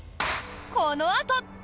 このあと。